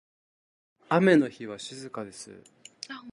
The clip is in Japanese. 雨の日は静かです。